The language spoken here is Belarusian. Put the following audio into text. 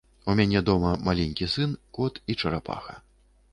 У мяне дома маленькі сын, кот і чарапаха.